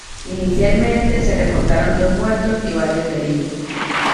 Inicialmente, se reportaron dos muertos y varios heridos.